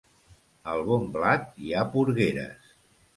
Al bon blat hi ha porgueres.